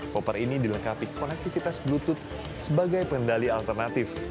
koper ini dilengkapi konektivitas bluetooth sebagai pengendali alternatif